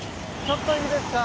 ちょっといいですか